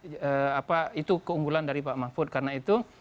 jadi itu keunggulan dari pak mahfud karena itu